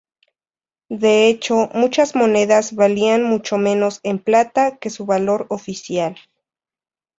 De hecho, muchas monedas valían mucho menos en plata que su valor oficial.